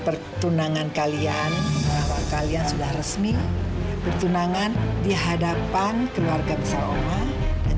pertunangan kalian karena kalian sudah resmi pertunangan dihadapan keluarga besar oma dan